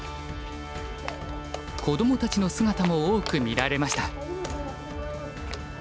子どもたちの姿も多く見られました。